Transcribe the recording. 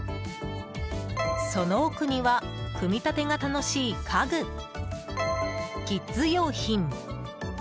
その奥には組み立てが楽しい家具キッズ用品